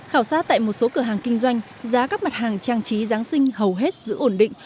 khảo sát tại một số cửa hàng kinh doanh giá các mặt hàng trang trí giáng sinh hầu hết giữ ổn định